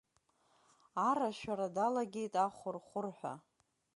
Арашәара далагеит ахәырхәырҳәа…